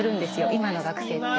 今の学生って。